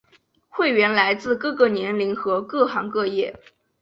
会员来自各个年龄和各行各业。